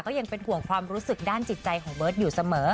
ยังเป็นห่วงความรู้สึกด้านจิตใจของเบิร์ตอยู่เสมอ